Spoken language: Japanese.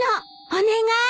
お願い！